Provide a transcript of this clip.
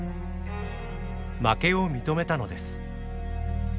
負けを認めたのです。